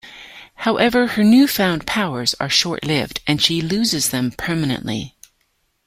However, her new-found powers are short-lived, and she loses them permanently.